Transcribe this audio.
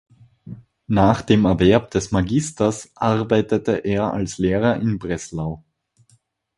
Nach dem Erwerb des Magisters arbeitete er als Lehrer in Breslau.